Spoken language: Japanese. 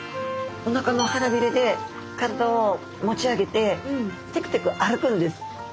おなかの腹びれで体を持ち上げててくてく歩くんです。